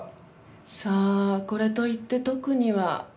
さあこれといって特には。